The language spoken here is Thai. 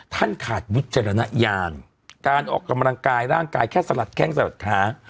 ท่านขาดวิจารณญาณการออกกำลังกายร่างกายแค่สลัดแข้งสลัดขา